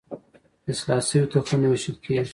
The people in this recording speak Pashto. اصلاح شوي تخمونه ویشل کیږي.